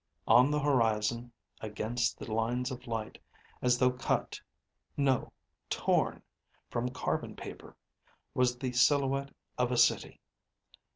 On the horizon, against the lines of light, as though cut no, torn from carbon paper was the silhouette of a city.